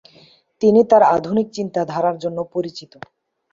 তিনি তার আধুনিক চিন্তাধারার জন্য পরিচিত।